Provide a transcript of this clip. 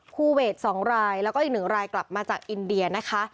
คูเวท๒รายแล้วก็อีก๑รายกลับมาจากอินเดียนะคะ